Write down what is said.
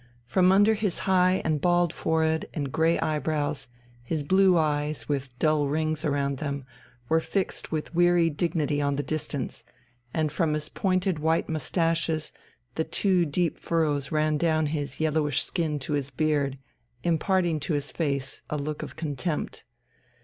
From under his high and bald forehead and grey eyebrows, his blue eyes, with dull rings round them, were fixed with weary dignity on the distance, and from his pointed white moustaches the two deep furrows ran down his yellowish skin to his beard, imparting to his face a look of contempt.